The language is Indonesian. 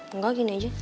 enggak gini aja